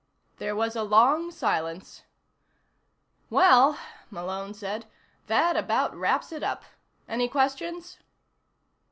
There was a long silence. "Well," Malone said, "that about wraps it up. Any questions?"